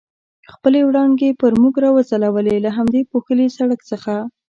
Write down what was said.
خپلې وړانګې پر موږ را وځلولې، له همدې پوښلي سړک څخه.